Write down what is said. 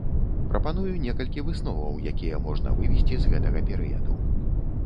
Прапаную некалькі высноваў, якія можна вывесці з гэтага перыяду.